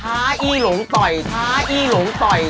้าอี้หลงต่อยท้าอี้หลงต่อย